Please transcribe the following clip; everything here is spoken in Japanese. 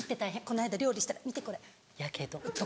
この間料理したら見てこれやけど」とか。